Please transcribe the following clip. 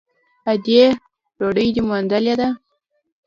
_ادې ! ډوډۍ دې موندلې ده؟